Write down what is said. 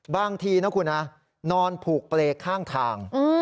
บางทีนะคุณนะนอนผูกเปรย์ข้างทาง